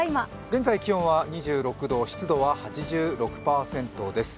現在、気温は２６度、湿度は８６％です。